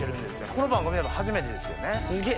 この番組でも初めてですよね。